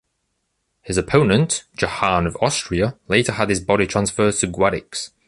His opponent, Johann of Austria, later had his body transferred to Guadix.